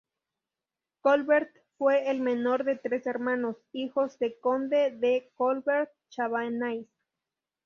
Colbert fue el menor de tres hermanos, hijos del conde de Colbert-Chabanais.